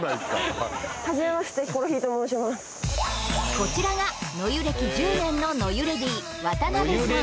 こちらが野湯歴１０年の野湯レディ